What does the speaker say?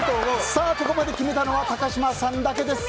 ここまで決めたのは高嶋さんだけです。